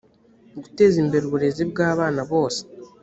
guteza imbere uburezi bw abana bose